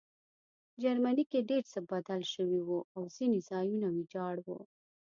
جرمني کې ډېر څه بدل شوي وو او ځینې ځایونه ویجاړ وو